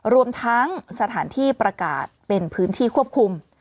รวมทั้งสถานที่ประกาศเป็นพื้นที่ควบคุม